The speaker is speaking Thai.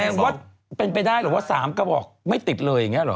ว่าเป็นไปได้เหรอว่า๓กระบอกไม่ติดเลยอย่างนี้หรอ